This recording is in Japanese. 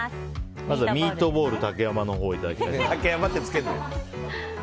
まずはミートボール竹山のほういただきます。